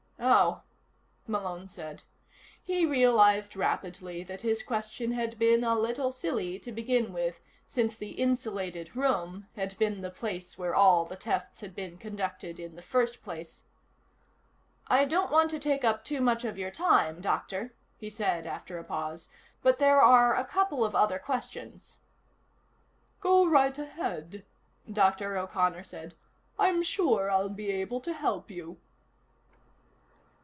"Oh," Malone said. He realized rapidly that his question had been a little silly to begin with, since the insulated room had been the place where all the tests had been conducted in the first place. "I don't want to take up too much of your time, Doctor," he said after a pause, "but there are a couple of other questions." "Go right ahead," Dr. O'Connor said. "I'm sure I'll be able to help you."